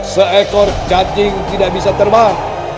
seekor cacing tidak bisa terbang